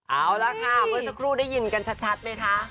เอาละค่ะเมื่อสักครู่ได้ยินกันชัดไหมคะ